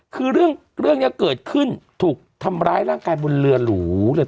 คือเรื่องนี้เกิดขึ้นถูกทำร้ายร่างกายบนเรือหรูเลย